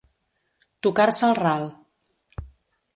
Tocar-se el ral.